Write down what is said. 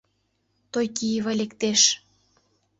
—...Тойкиева лектеш.